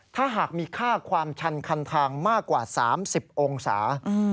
ถ้าหากมีค่าความชันคันทางมากกว่า๓๐องศา